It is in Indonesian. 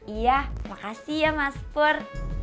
iya makasih ya mas pur